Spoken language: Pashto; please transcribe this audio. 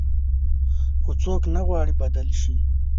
خو څوک نه غواړي بدل شي.